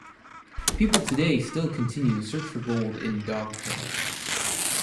People today still continue to search for gold in Dog Town.